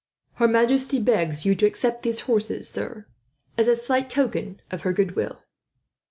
"Her majesty begs you to accept these horses, sir, as a slight token of her goodwill."